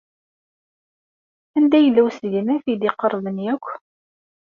Anda yella usegnaf ay d-iqerben akk?